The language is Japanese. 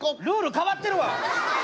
ルール変わってるわ！